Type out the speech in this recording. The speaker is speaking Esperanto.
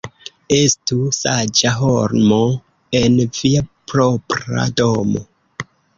Estu saĝa homo en via propra domo.